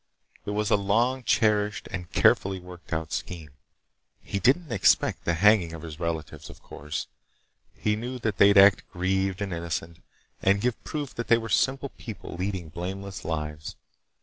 It was a long cherished and carefully worked out scheme. He didn't expect the hanging of his relatives, of course. He knew that they'd act grieved and innocent, and give proof that they were simple people leading blameless lives.